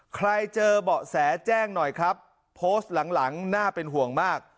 ใครเจอเบาะแสแจ้งหน่อยครับโพสต์หลังหลังน่าเป็นห่วงมาก